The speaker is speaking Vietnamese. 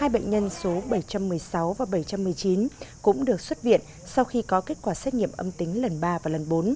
hai bệnh nhân số bảy trăm một mươi sáu và bảy trăm một mươi chín cũng được xuất viện sau khi có kết quả xét nghiệm âm tính lần ba và lần bốn